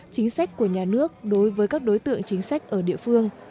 chính sách của nhà nước đối với các đối tượng chính sách ở địa phương